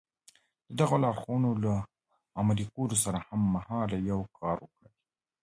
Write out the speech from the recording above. د دغو لارښوونو له عملي کولو سره هممهاله يو کار وکړئ.